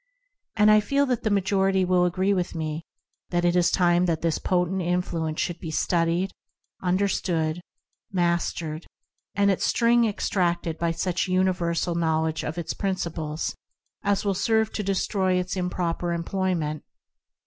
And I feel that the majority will agree with me that it is time that this potent influence should be studied, under stood, mastered and its "sting" extracted by such an universal knowledge of its principles as will serve to destroy its improper employment.